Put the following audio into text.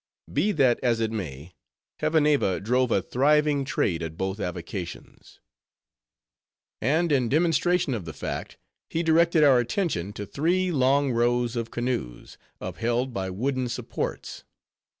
Be that as it may, Hevaneva drove a thriving trade at both avocations. And in demonstration of the fact, he directed our attention to three long rows of canoes, upheld by wooden supports.